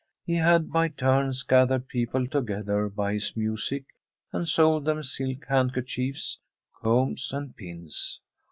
He had by turns gathered people together by his music and sold them silk handkerchiefs, combs, and pins.